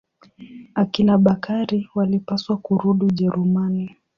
Akina Bakari walipaswa kurudi Ujerumani.